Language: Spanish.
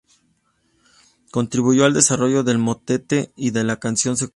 Contribuyó al desarrollo del motete y de la canción secular.